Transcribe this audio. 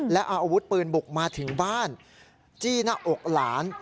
และเอาอาวุธปืนบุกมาถึงบ้านจี้หน้าอกหลาน